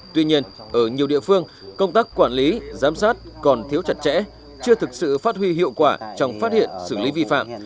tuy nhiên ở nhiều địa phương công tác quản lý giám sát còn thiếu chặt chẽ chưa thực sự phát huy hiệu quả trong phát hiện xử lý vi phạm